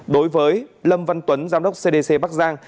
đối với lâm văn tuấn giám đốc cdc bắc giang